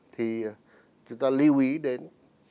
thì chúng ta lưu ý đến